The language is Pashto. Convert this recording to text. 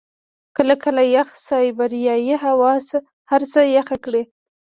کله کله یخه سایبریايي هوا هر څه يخ کړي.